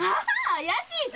怪しいぞ！